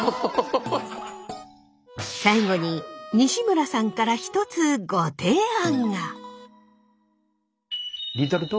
最後に西村さんから一つご提案が。